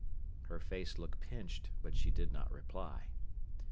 Her face looked pinched, but she did not reply.